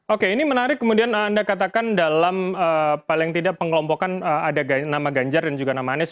oke ini menarik kemudian anda katakan dalam paling tidak pengelompokan ada nama ganjar dan juga nama anies